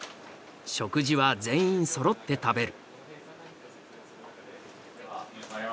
食事は全員そろって食べる。